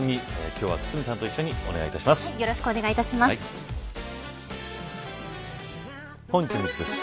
今日は堤さんと一緒にお願いいたします。